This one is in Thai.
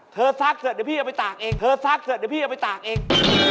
เธอซักเดี๋ยวพี่เอาไปตากเอง